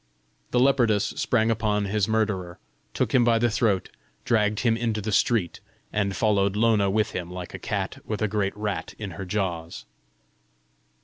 The leopardess sprang upon his murderer, took him by the throat, dragged him into the street, and followed Lona with him, like a cat with a great rat in her jaws.